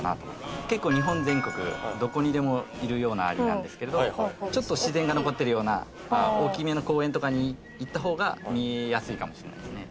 結構日本全国どこにでもいるようなアリなんですけどちょっと自然が残ってるような大きめの公園とかに行った方が見やすいかもしれないですね。